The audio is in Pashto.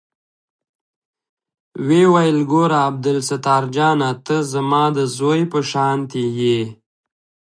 ويې ويل ګوره عبدالستار جانه ته زما د زوى په شانتې يې.